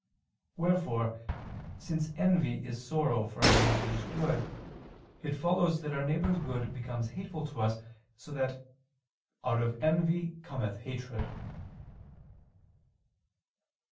Wherefore, since envy is sorrow for our neighbor's good, it follows that our neighbor's good becomes hateful to us, so that "out of envy cometh hatred."